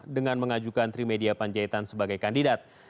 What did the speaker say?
dengan mengajukan trimedia panjaitan sebagai kandidat